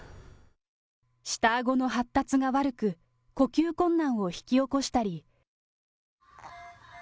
下あごの発達が悪く、呼吸困難を引き起こしたり。